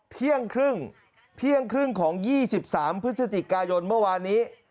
เที่ยงครึ่งเที่ยงครึ่งของ๒๓พฤศจิกายนเมื่อวานนี้